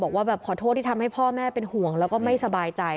บอกว่าแบบขอโทษที่ทำให้พ่อแม่เป็นห่วงแล้วก็ไม่สบายใจ